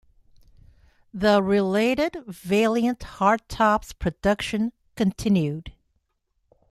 The related Valiant hardtop's production continued.